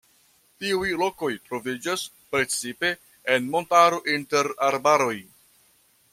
Tiuj lokoj troviĝas precipe en montaro inter arbaroj.